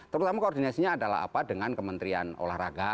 terutama koordinasinya adalah apa dengan kementerian olahraga